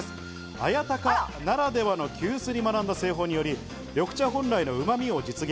綾鷹ならではの急須に学んだ製法により、緑茶本来のうまみを実現。